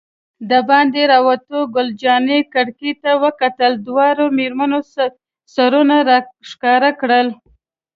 دباندې راووتو، ګل جانې کړکۍ ته وکتل، دواړو مېرمنو سرونه را ښکاره کړل.